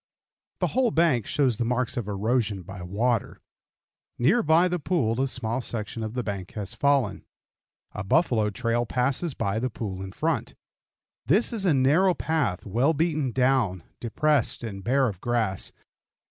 The whole bank shows the marks of erosion by water. Near by the pool a small section of the bank has fallen. A buffalo trail passes by the pool in front. This is a narrow path, well beaten down, depressed, and bare of grass.